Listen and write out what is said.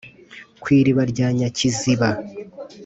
ku iriba rya nyakiziba